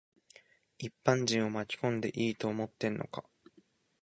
一般人を巻き込んでいいと思ってんのか。